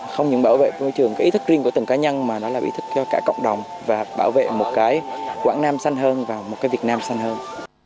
không những bảo vệ môi trường cái ý thức riêng của từng cá nhân mà nó là ý thức cho cả cộng đồng và bảo vệ một cái quảng nam xanh hơn và một cái việt nam xanh hơn